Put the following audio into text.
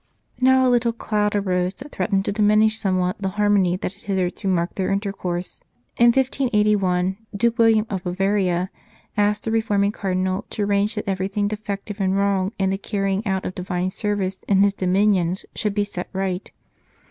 Now a little cloud arose that threatened to diminish somewhat the harmony that had hitherto marked their intercourse. In 1581, Duke William of Bavaria asked the reforming Cardinal to arrange that everything defective and wrong in the carrying out of Divine service in his dominions should be set right.